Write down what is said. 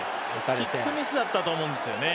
キックミスだったと思うんですよね。